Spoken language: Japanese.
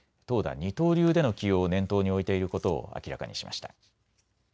二刀流での起用を念頭に置いていることを明らかにしました。